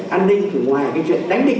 an ninh thì ngoài cái chuyện đánh địch